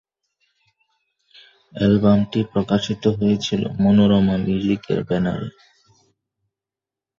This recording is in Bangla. অ্যালবামটি প্রকাশিত হয়েছিল মনোরমা মিউজিক এর ব্যানারে।